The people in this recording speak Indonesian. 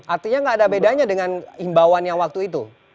artinya nggak ada bedanya dengan imbauan yang waktu itu